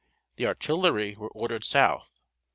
The artillery were ordered south.